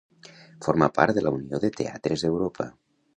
Forma part de la Unió de Teatres d'Europa.